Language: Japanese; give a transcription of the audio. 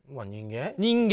人間。